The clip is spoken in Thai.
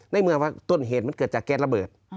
ในเมื่อว่าต้นเหตุมันเกิดจากแก๊สระเบิด